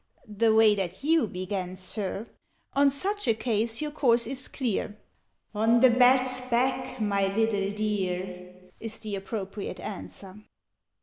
_' (The way that you began, Sir,) In such a case your course is clear 'On the bat's back, my little dear!' Is the appropriate answer.